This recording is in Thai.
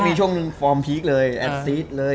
มีช่วงฟอร์มพีคเลยแอสซีสเลย